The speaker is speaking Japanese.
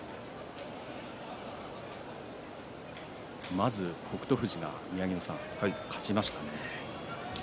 まず北勝富士が、宮城野さん勝ちましたね。